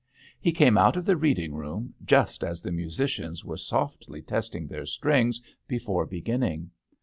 He came out of the reading room, just as the musicians were softly testing their strings before beginning.